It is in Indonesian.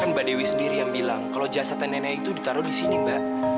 kan mbak dewi sendiri yang bilang kalau jasad nenek itu ditaruh di sini mbak